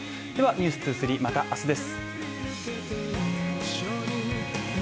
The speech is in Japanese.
「ｎｅｗｓ２３」また明日です